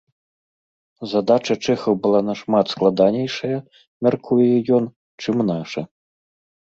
Задача чэхаў была нашмат складанейшая, мяркуе ён, чым наша.